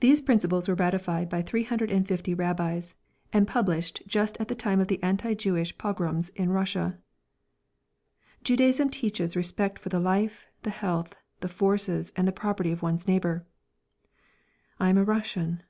These principles were ratified by 350 rabbis, and published just at the time of the anti Jewish pogroms in Russia. "Judaism teaches respect for the life, the health, the forces and the property of one's neighbour." I am a Russian.